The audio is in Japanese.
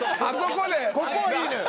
ここはいいのよ